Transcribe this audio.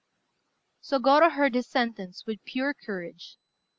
Sôgorô heard his sentence with pure courage.